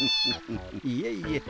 いえいえ。